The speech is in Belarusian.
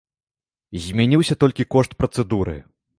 Змяніўся толькі кошт працэдуры.